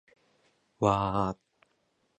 わー